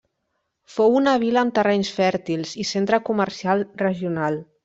Fou una vila amb terrenys fèrtils i centre comercial regional.